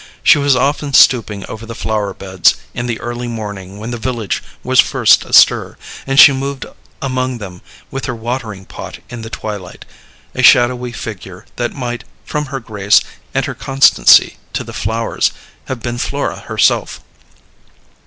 She was often stooping over the flower beds in the early morning when the village was first astir, and she moved among them with her watering pot in the twilight a shadowy figure that might, from her grace and her constancy to the flowers, have been Flora herself.